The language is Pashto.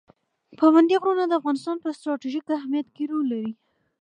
پابندي غرونه د افغانستان په ستراتیژیک اهمیت کې رول لري.